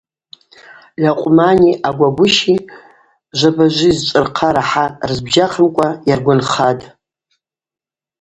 Льакъвмани агвагвыщи жваба-жвиз чӏвырхъа рахӏа рызбжьахымкӏва йаргванхатӏ.